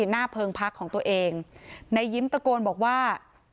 หน้าเพิงพักของตัวเองนายยิ้มตะโกนบอกว่า